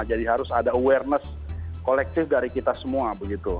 jadi harus ada awareness kolektif dari kita semua begitu